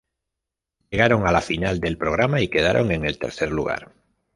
Llegaron a la final del programa y quedaron en el tercer lugar.